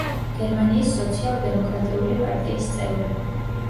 გერმანიის სოციალ-დემოკრატიული პარტიის წევრი.